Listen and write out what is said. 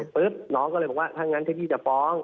น้องก็เลยบอกว่าถ้างั้นถ้าพี่จะฟ้อง